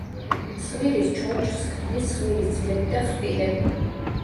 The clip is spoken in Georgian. ცხვირის ჩონჩხს ქმნის ცხვირის ძვლები და ხრტილები.